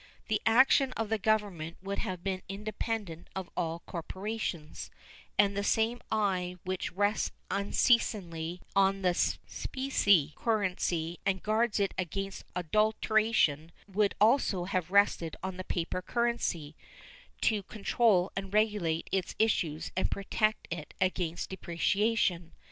The action of the Government would have been independent of all corporations, and the same eye which rests unceasingly on the specie currency and guards it against adulteration would also have rested on the paper currency, to control and regulate its issues and protect it against depreciation.